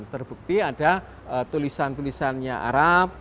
terbukti ada tulisan tulisannya arab